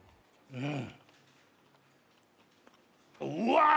うん！